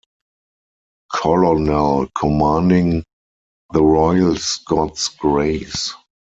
Colonel, commanding the Royal Scots Greys.